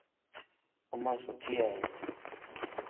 امان سٺي ائي.